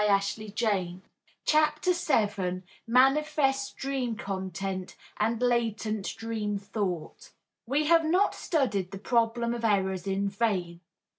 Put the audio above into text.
SEVENTH LECTURE THE DREAM Manifest Dream Content and Latent Dream Thought We have not studied the problem of errors in vain.